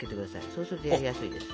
そうするとやりやすいです。